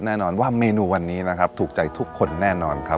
แน่นอนว่าเมนูวันนี้นะครับถูกใจทุกคนแน่นอนครับ